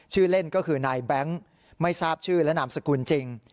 ชื่อเล่นก็คือนายแบงค์ไม่ทราบชื่อและนามสกุลจริง